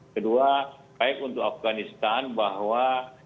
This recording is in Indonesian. kedua baik untuk afganistan bahwa